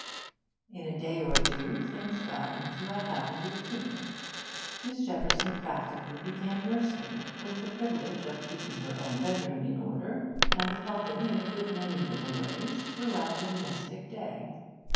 In a day or two things got into a happy routine. Miss Shepperson practically became nursemaid, with the privilege of keeping her own bedroom in order and of helping in a good many little ways throughout the domestic day.